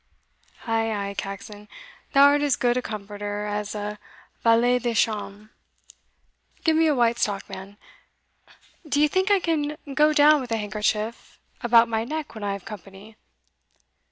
"Ay, ay, Caxon, thou art as good a comforter as a valet de chambre. Give me a white stock, man, dye think I can go down with a handkerchief about my neck when I have company?"